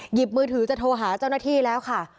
หยิบมือถือจะโทรหาเจ้าหน้าที่แล้วค่ะ